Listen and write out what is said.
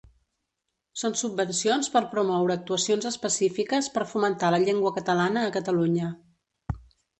Són subvencions per promoure actuacions específiques per fomentar la llengua catalana a Catalunya.